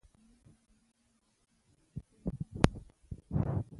موږ باید د کورنۍ د ګډو پریکړو احترام وکړو